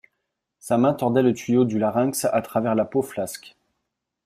Sa main tordait le tuyau du larynx à travers la peau flasque.